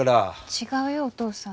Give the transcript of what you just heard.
違うよお父さん。